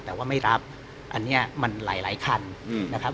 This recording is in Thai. แต่ว่าไม่รับอันนี้มันหลายคันนะครับ